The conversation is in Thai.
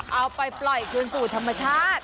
เอาไปปล่อยคืนสู่ธรรมชาติ